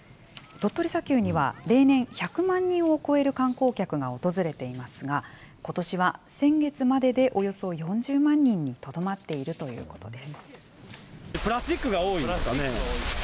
鳥取砂丘には、例年、１００万人を超える観光客が訪れていますが、ことしは先月まででおよそ４０万人にとどまっているということです。